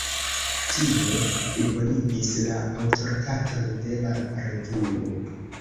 Tio plibonigis la aŭtoritaton de la revuo.